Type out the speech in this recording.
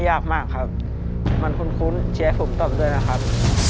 ไม่ยากมากครับมันคุ้นคุ้นแชร์ผมตอบด้วยนะครับ